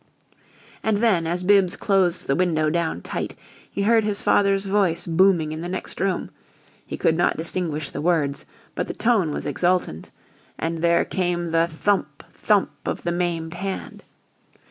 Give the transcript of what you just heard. And then, as Bibbs closed the window down tight, he heard his father's voice booming in the next room; he could not distinguish the words but the tone was exultant and there came the THUMP! THUMP! of the maimed hand.